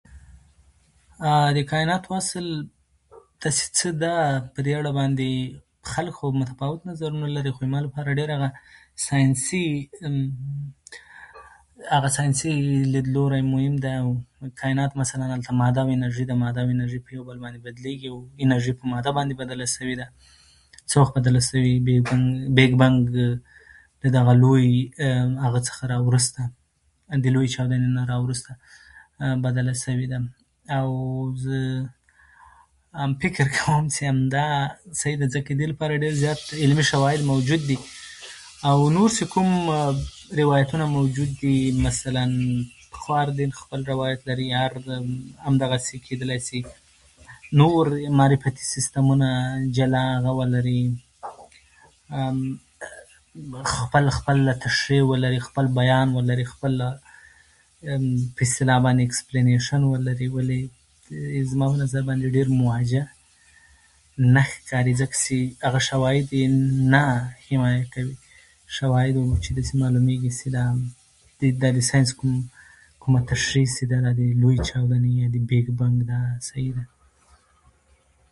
د کاينات اصل داسې څه ده، په دې اړه باندې خلک خو متفاوت نظرونه لري، خو زما لپاره ډېر هغه ساينسي، هغه ساينسي ليدلوری مهم دی. کاينات مثلاً هلته ماده او انرجي ده، ماده او انرجي په يو بل باندې بدليږي او انرجي په ماده باندې بدله سوې ده. څه وخت بدله سوې ده؟ د بيګ بېنګ له هغه لوی دغه څخه راورسته ، د لويې چاودنې نه راورسته بدله سوې ده. او زه فکر کوم چې هم دا صحيح ده. ځکه د دې لپاره ډېر زيات علمي شواهد موجود دي.او نور چې کوم روايتونه موجود دي مثلاً هر دين خپل روايت لري. هر، هم دغسي کيدلی شي. نور معرفتي سيسټمونه جلا هغه ولري، خپله خپله تشريح ولري، خپل بيان ولري. خپل په اصطلاح باندې ايکسپلينېشن ولري. ولې زما په نظر باندې ډېره مواجه نه ښکاري. ځکه چې هغه شواهد يې نه حمايه کوي. شواهد څخه داسې معلوميږي چې دا د ساينس کومه تشريح چې ده، دا دې لويې چاودنې، يا دې بيګ بېنګ دا صحيح ده.